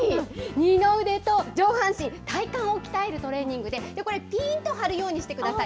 二の腕と上半身、体幹を鍛えるトレーニングで、これ、ぴんと張るようにしてください。